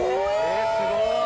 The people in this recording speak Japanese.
えっすごい。